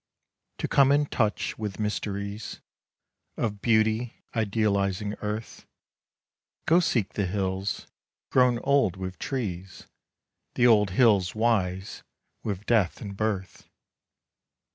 To come in touch with mysteries Of beauty idealizing Earth, Go seek the hills, grown old with trees, The old hills wise with death and birth.